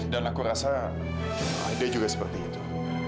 dan aku rasa aida juga seperti itu